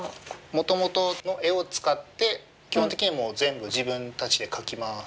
もともとの絵を使って基本的にはもう全部自分たちで描きます。